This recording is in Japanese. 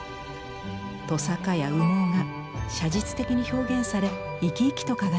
とさかや羽毛が写実的に表現され生き生きと輝きます。